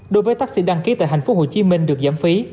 đối với tác sĩ đăng ký tại tp hcm được giảm phí